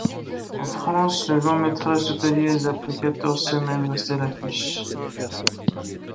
En France, le long-métrage totalise après quatorze semaines resté à l'affiche.